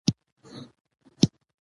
په پښتو ژبه کښي خبر پر دوه ډوله دئ.